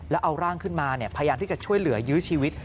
แล้วเอาร่างขึ้นมาพยายามที่จะช่วยเหลือยื้อชีวิต